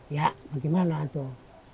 ya bagaimana tuh